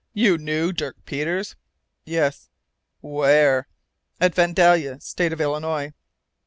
"You knew Dirk Peters?" "Yes." "Where?" "At Vandalia, State of Illinois."